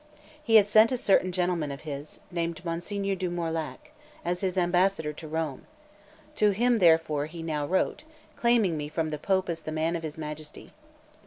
He had sent a certain gentleman of his, named Monsignor di Morluc, as his ambassador to Rome; to him therefore he now wrote, claiming me from the Pope as the man of his Majesty.